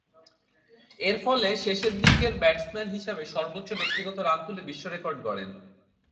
এরফলে শেষের দিকের ব্যাটসম্যান হিসেবে সর্বোচ্চ ব্যক্তিগত রান তুলে বিশ্বরেকর্ড গড়েন।